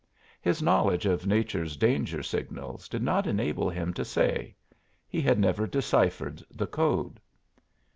His knowledge of nature's danger signals did not enable him to say; he had never deciphered the code.